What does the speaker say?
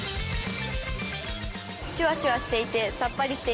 しゅわしゅわしていてさっぱりしています。